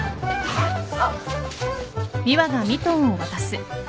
あっ。